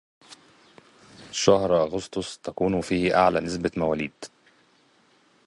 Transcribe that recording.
شهر أغسطس تكون فيه أعلى نسبة مواليد..